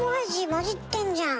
もじってんじゃん！